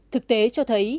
thực tế cho thấy